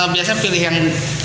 biasanya pilih yang